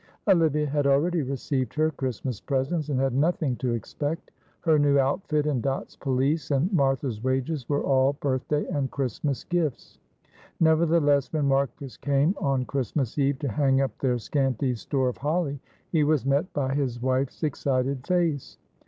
Olivia had already received her Christmas presents, and had nothing to expect. Her new outfit, and Dot's pelisse, and Martha's wages were all birthday and Christmas gifts. Nevertheless when Marcus came on Christmas Eve to hang up their scanty store of holly, he was met by his wife's excited face.